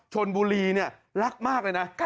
ชนบุรีเนี่ยรักมากเลยนะ